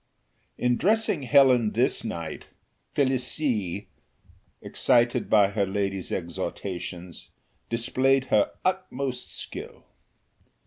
In dressing Helen this night, Felicie, excited by her lady's exhortations, displayed her utmost skill.